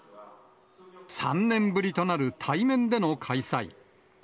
３年ぶりとなる対面での開催。